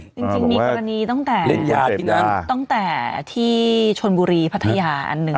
จริงมีกรณีตั้งแต่เล่นยาที่นั่นตั้งแต่ที่ชนบุรีพัทยาอันหนึ่ง